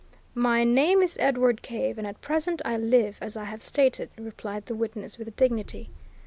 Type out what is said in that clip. "My name is Edward Cave, and at present I live as I have stated," replied the witness with dignity.